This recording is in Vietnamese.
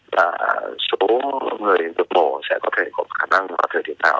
là số người được bổ sẽ có thể có khả năng vào thời điểm nào